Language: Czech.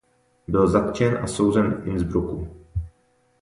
Byl zatčen a souzen v Innsbrucku.